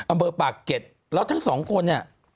อำเภอปากเก็ตทั้ง๒คน